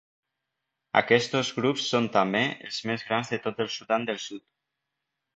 Aquests dos grups són també els més grans de tot el Sudan del Sud.